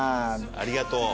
ありがとう。